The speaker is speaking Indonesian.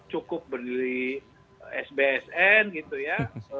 cukup berdiri sbsn gitu ya